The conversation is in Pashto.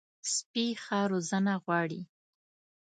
سپي ښه روزنه غواړي.